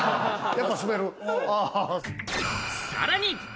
さらに。